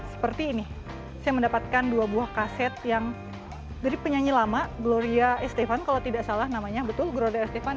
seperti ini saya mendapatkan dua buah kaset yang dari penyanyi lama gloria estefan kalau tidak salah namanya betul gloria estefan